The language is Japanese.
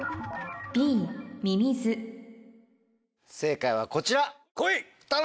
正解はこちら！